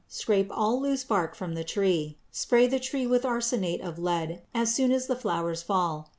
Scrape all loose bark from the tree. Spray the tree with arsenate of lead as soon as the flowers fall.